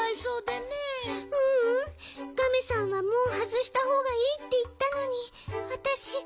ううんガメさんはもうはずしたほうがいいっていったのにわたしが。